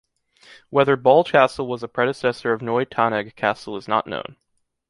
Whether Boll Castle was a predecessor of Neu-Tannegg Castle is not known.